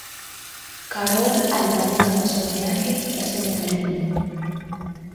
karol alimaliza masomo yake ya seminarini